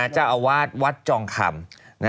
เจ้าอาวาสวัดจองคำ